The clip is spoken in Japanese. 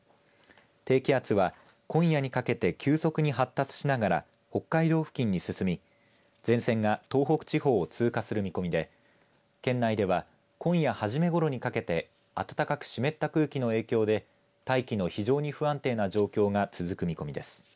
低気圧は今夜にかけて急速に発達しながら北海道付近に進み、前線が東北地方を通過する見込みで県内では今夜初めごろにかけて暖かく湿った空気の影響で大気の非常に不安定な状況が続く見込みです。